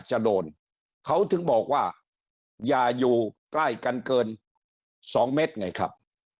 จะโดนเขาถึงบอกว่าอย่าอยู่ใกล้กันเกิน๒เมตรไงครับ